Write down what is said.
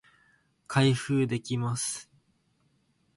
開封できます